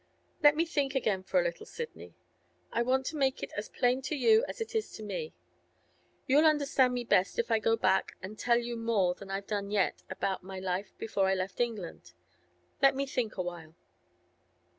Let me think again for a little, Sidney. I want to make it as plain to you as it is to me. You'll understand me best if I go back and tell you more than I have done yet about my life before I left England. Let me think a while.